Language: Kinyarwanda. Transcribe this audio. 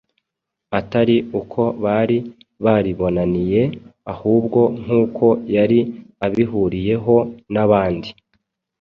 atari uko bari baribonaniye, ahubwo nk’uko yari abihuriyeho n’abandi